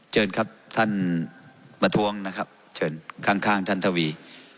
เชิญครับท่านประท้วงนะครับเชิญข้างท่านทวี